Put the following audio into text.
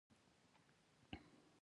د ترسره شوې سروې پایلې ښيي چې له کم